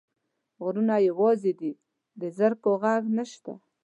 غرونه یوازي دي، د زرکو ږغ نشته